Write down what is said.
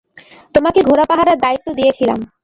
তোমাকে ঘোড়া পাহারার দায়িত্ব দিয়েছিলাম।